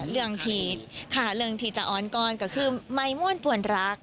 เรื่องที่จะอ่อนก้อนก็คือไม่ม่วนผวนรัก